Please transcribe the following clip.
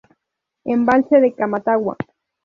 Embalse de Camatagua.